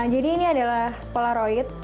jadi ini adalah polaroid